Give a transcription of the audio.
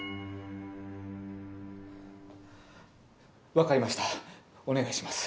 わかりましたお願いします。